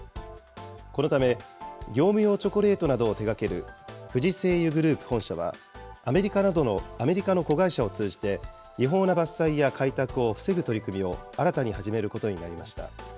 このため、業務用チョコレートなどを手がける、不二製油グループ本社は、アメリカの子会社を通じて、違法な伐採や開拓を防ぐ取り組みを新たに始めることになりました。